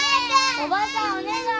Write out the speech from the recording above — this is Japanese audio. おばさんお願い！